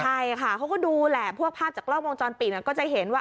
ใช่ค่ะเขาก็ดูแหละพวกภาพจากกล้องวงจรปิดก็จะเห็นว่า